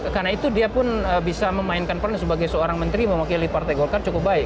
karena itu dia pun bisa memainkan peran sebagai seorang menteri memakili partai golkar cukup baik